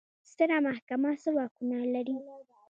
ستره محکمه څه واکونه لري؟